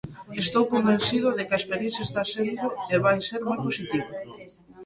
Estou convencido de que a experiencia está sendo e vai ser moi positiva.